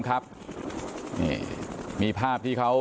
ขอบคุณทุกคน